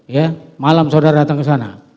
ya malam saudara datang ke sana